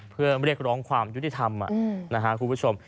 เพื่อเรียกร้องความยุติธรรมนะครับคุณผู้ชม